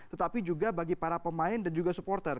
tetapi juga bagi para pemain dan juga supporter